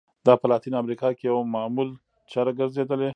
دا په لاتینه امریکا کې یوه معمول چاره ګرځېدلې.